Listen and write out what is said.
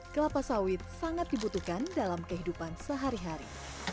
kelapa sawit sangat dibutuhkan dalam kehidupan sehari hari